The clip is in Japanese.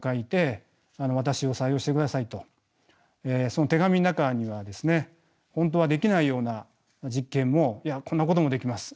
その手紙の中にはですね本当はできないような実験もいやこんなこともできます